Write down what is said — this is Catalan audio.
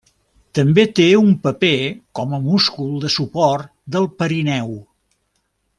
També té un paper com a múscul de suport del perineu.